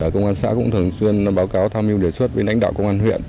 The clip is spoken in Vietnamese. công an xã cũng thường xuyên báo cáo tham dự đề xuất với đánh đạo công an huyện